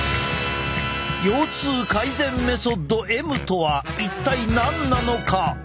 「腰痛改善メソッドＭ」とは一体何なのか？